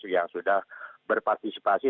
yang sudah berpartisipasi